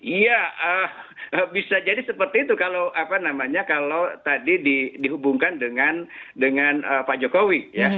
iya bisa jadi seperti itu kalau tadi dihubungkan dengan pak jokowi